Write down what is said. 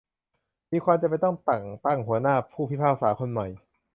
มีความจำเป็นต้องแต่งตั้งหัวหน้าผู้พิพากษาคนใหม่